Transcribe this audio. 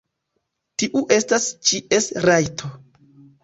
Tiu estas ĉies rajto.